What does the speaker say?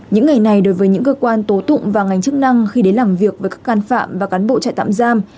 những ngày này đối với những cơ quan tố tụng và ngành chức năng khi đến làm việc với các can phạm và cán bộ trại tạm giam